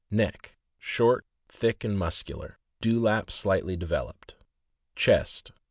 Neck. — Short, thick, and muscular; dewlap slightly developed. Chest.